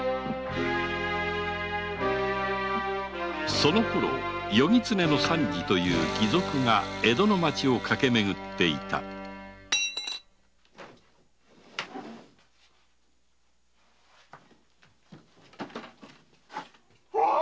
そのころ「夜狐の三次」という義賊が江戸の町を駆けめぐっていたうわッ！